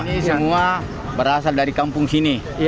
ini semua berasal dari kampung sini